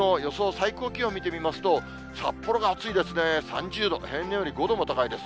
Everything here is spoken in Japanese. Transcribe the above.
最高気温を見てみますと、札幌が暑いですね、３０度、平年より５度も高いです。